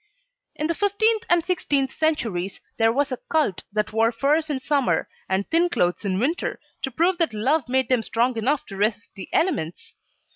In the fifteenth and sixteenth centuries there was a cult that wore furs in Summer and thin clothes in Winter, to prove that love made them strong enough to resist the elements!